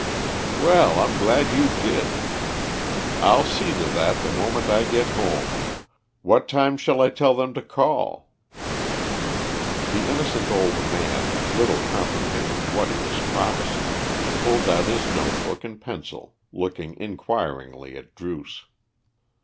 "Well, I'm glad you did. I'll see to that the moment I get home. What time shall I tell them to call?" The innocent old man, little comprehending what he was promising, pulled out his note book and pencil, looking inquiringly at Druce.